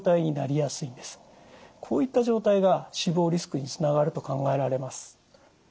こういった状態が死亡リスクにつながると考えられます。